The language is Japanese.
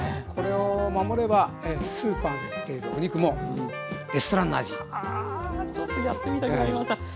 これを守ればスーパーで売っているお肉もレストランの味！はあちょっとやってみたくなりました。